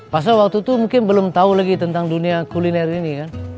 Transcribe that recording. pasal waktu itu mungkin belum tahu lagi tentang dunia kuliner ini kan